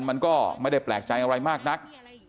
มันก็ไม่ได้แปลกใจอะไรมากนัก